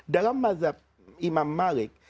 dalam mazhab imam malik